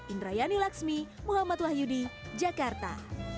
indrayani laksmi muhammad wahyudi jakarta